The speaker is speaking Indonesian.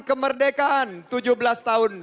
kemerdekaan tujuh belas tahun